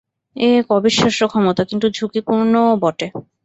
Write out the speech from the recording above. এ এক অবিশ্বাস্য ক্ষমতা, কিন্তু ঝুঁকিপূর্ণ ও বটে।